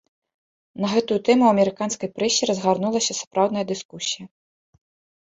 На гэтую тэму ў амерыканскай прэсе разгарнулася сапраўдная дыскусія.